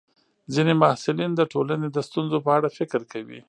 ځینې محصلین د ټولنې د ستونزو په اړه فکر کوي.